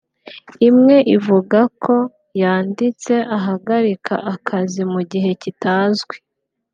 imwe ivuga ko yanditse ahagarika akazi mu gihe kitazwi